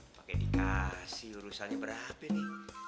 pake dikasih urusannya berapa be